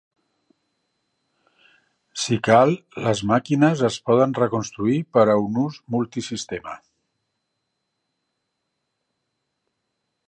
Si cal, les màquines es poden reconstruir per a un ús multisistema.